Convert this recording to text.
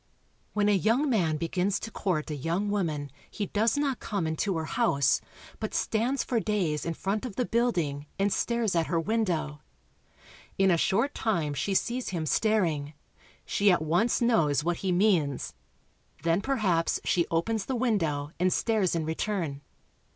When a young man begins to court a young woman he does not come into her house, but stands for days in front of the building, and stares at her window. In a short time she sees him staring. She at once knows what he means. Then perhaps she opens the window and stares in return.